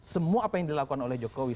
semua apa yang dilakukan oleh jokowi